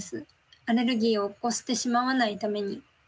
アレルギーを起こしてしまわないために。